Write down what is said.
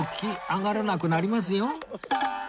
上がれなくなりますよ